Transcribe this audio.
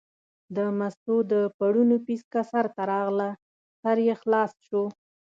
د مستو د پړوني پیڅکه سر ته راغله، سر یې خلاص شو.